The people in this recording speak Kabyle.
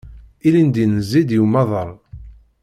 Ilindi nezzi-d i umaḍal.